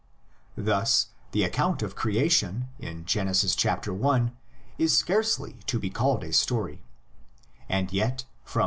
Thus the account of crea tion in Genesis i. is scarcely to be called a story; and yet, from v.